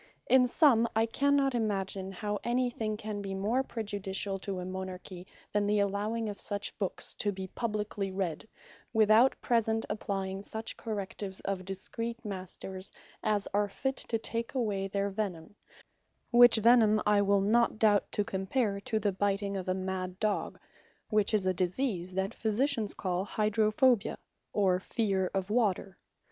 In summe, I cannot imagine, how anything can be more prejudiciall to a Monarchy, than the allowing of such books to be publikely read, without present applying such correctives of discreet Masters, as are fit to take away their Venime; Which Venime I will not doubt to compare to the biting of a mad Dogge, which is a disease the Physicians call Hydrophobia, or Fear Of Water.